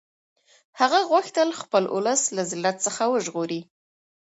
هغه غوښتل خپل اولس له ذلت څخه وژغوري.